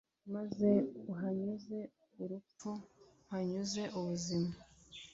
maze ahanyuze urupfu mpanyuze ubuzima.